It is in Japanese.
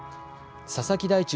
佐々木大地